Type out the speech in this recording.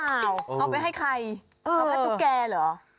เอาไปให้ใครเอารับให้ทุกแกหรอ